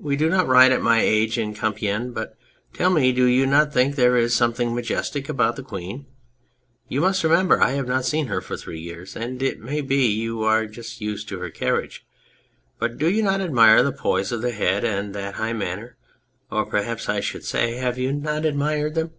We do not ride at my age in Compiegne ... but, tell me, do you not think there is something majestic about the Queen ?... You must remember I have not seen her for three years, and it may be you are used to her carriage. But do you not admire that poise of the head and that high manner ; or perhaps I should say, have you not admired them